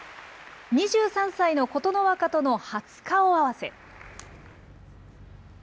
２３歳の琴ノ若との初顔合わせ。